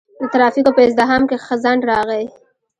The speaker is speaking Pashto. د ترافیکو په ازدحام کې ځنډ راغی.